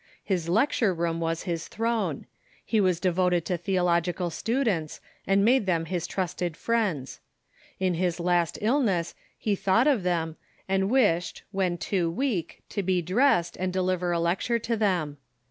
His lecture room was his throne. He was devoted to theological students, and made them his trusted friends. In his last illness he thought of them, and wished, when too weak, to be dressed, and deliver a lecture to them.